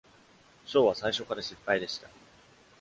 ショーは最初から失敗でした。